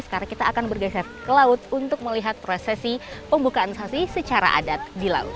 sekarang kita akan bergeser ke laut untuk melihat prosesi pembukaan sasi secara adat di laut